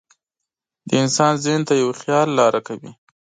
د انسان ذهن ته یو خیال لاره کوي.